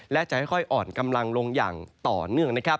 และจะค่อยอ่อนกำลังลงอย่างต่อเนื่องนะครับ